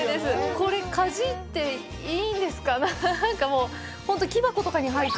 これ、かじっていいんですか？